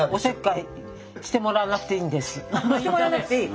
私してもらわなくていい？